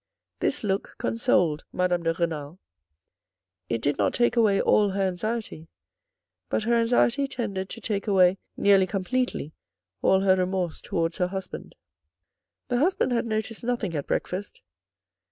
This look consoled Madame de Renal. It did not take away all her anxiety, but her anxiety tended to take away nearly completely all her remorse towards her husband. The husband had noticed nothing at breakfast.